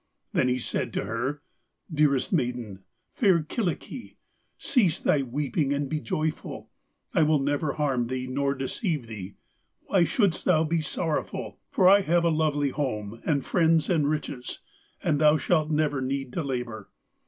Then he said to her: 'Dearest maiden, fair Kyllikki, cease thy weeping and be joyful; I will never harm thee nor deceive thee. Why shouldst thou be sorrowful, for I have a lovely home and friends and riches, and thou shalt never need to labour.